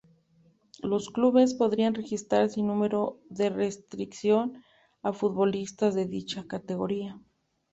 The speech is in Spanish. Los Clubes podrán registrar sin número de restricción a futbolistas de dicha categoría.